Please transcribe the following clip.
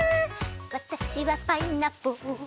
わたしはパイナポー。